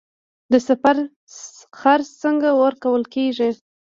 د سفر خرڅ څنګه ورکول کیږي؟